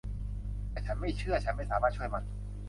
แต่ฉันไม่เชื่อ ฉันไม่สามารถช่วยมัน